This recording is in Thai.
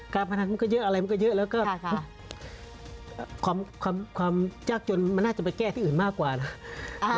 พนันมันก็เยอะอะไรมันก็เยอะแล้วก็ความยากจนมันน่าจะไปแก้ที่อื่นมากกว่านะ